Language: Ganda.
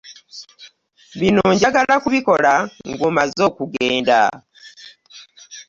Bino njagala kubikola nga omazze okugenda.